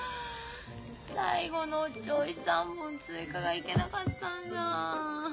最後のお銚子３本追加がいけなかったんだ。